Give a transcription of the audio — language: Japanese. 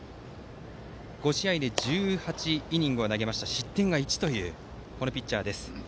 ５試合で１８イニングを投げて失点が１というピッチャーです。